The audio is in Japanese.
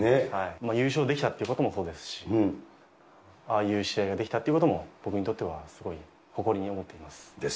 優勝できたということもそうですし、ああいう試合ができたっていうことも、僕にとってはすごい誇りに思っています。